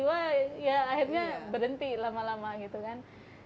wah ya akhirnya berhenti lama lama gitu kan